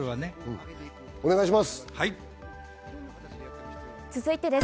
お願いします。